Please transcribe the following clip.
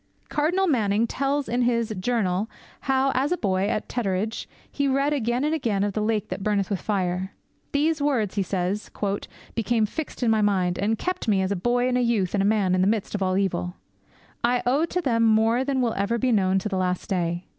Cardinal Manning tells in his Journal how, as a boy at Tetteridge, he read again and again of the lake that burneth with fire. 'These words,' he says, 'became fixed in my mind, and kept me as boy and youth and man in the midst of all evil. I owe to them more than will ever be known to the last day.'